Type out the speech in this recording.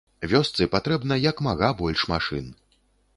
Вёсцы патрэбна як мага больш машын.